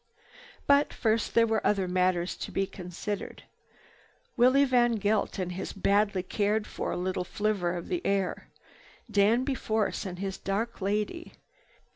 But first there were other matters to be considered. Willie VanGeldt and his badly cared for little flivver of the air; Danby Force and his dark lady.